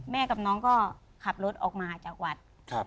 กับน้องก็ขับรถออกมาจากวัด